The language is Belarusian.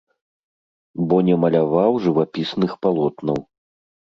Бо не маляваў жывапісных палотнаў.